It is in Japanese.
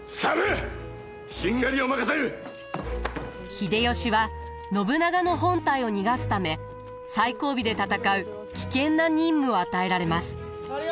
秀吉は信長の本隊を逃がすため最後尾で戦う危険な任務を与えられます。